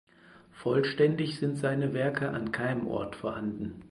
Vollständig sind seine Werke an keinem Ort vorhanden.